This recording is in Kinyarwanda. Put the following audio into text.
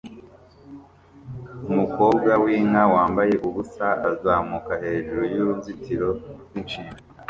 Umukobwa w'inka wambaye ubusa azamuka hejuru y'uruzitiro rw'insinga